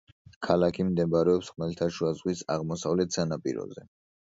ქალაქი მდებარეობს ხმელთაშუა ზღვის აღმოსავლეთ სანაპიროზე.